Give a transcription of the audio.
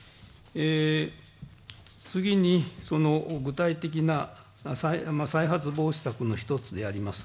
次にその具体的な再発防止策の一つであります